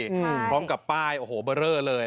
ใช่คุณมิ้นท์พร้อมกับป้ายโอ้โหเบอร์เรอร์เลย